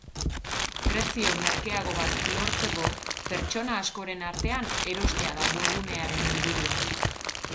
Prezio merkeago bat lortzeko pertsona askoren artean erostea da webgunearen helburua.